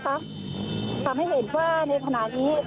เพราะตอนนี้ก็ไม่มีเวลาให้เข้าไปที่นี่